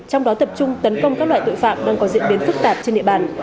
trong đó tập trung tấn công các loại tội phạm đang có diễn biến phức tạp trên địa bàn